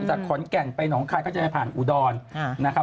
จากขอนแก่นไปหนองคายก็จะไปผ่านอุดรนะครับ